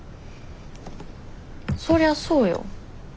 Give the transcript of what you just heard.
そりゃあそうよ。